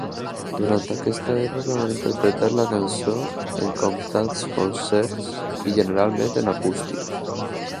Durant aquesta època van interpretar la cançó en comptats concerts i generalment en acústic.